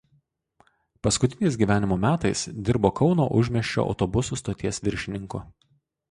Paskutiniais gyvenimo metais dirbo Kauno užmiesčio autobusų stoties viršininku.